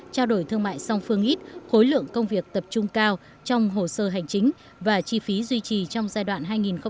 trao đổi thương mại song phương ít hối lượng công việc tập trung cao trong hồ sơ hành chính và chi phí duy trì trong giai đoạn hai nghìn tám hai nghìn một mươi bảy